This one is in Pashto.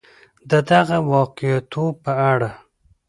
د دغه واقعاتو په اړه